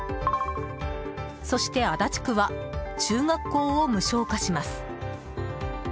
そして足立区は中学校を無償化します。